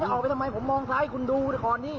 ผมจะออกไปทำไมผมมองซ้ายให้คุณดูดีกว่านี้